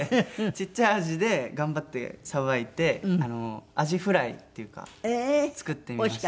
ちっちゃいアジで頑張ってさばいてアジフライっていうか作ってみました。